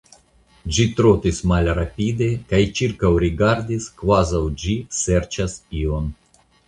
Ĝi trotis malrapide, kaj ĉirkaŭrigardadis, kvazaŭ ĝi serĉas ion.